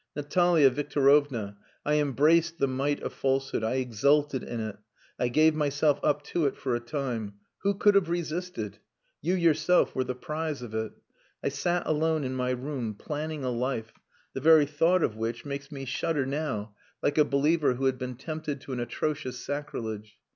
Natalia Victorovna, I embraced the might of falsehood, I exulted in it I gave myself up to it for a time. Who could have resisted! You yourself were the prize of it. I sat alone in my room, planning a life, the very thought of which makes me shudder now, like a believer who had been tempted to an atrocious sacrilege.